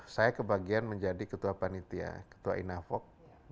saya kebagian menjadi ketua panitia ketua inafok